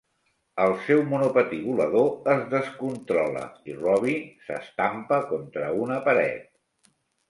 El seu monopatí volador es descontrola i Robbie s'estampa contra una paret.